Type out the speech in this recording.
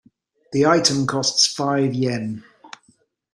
The item costs five Yen.